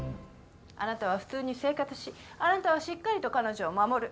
あなたは普通に生活しあなたはしっかりと彼女を守る。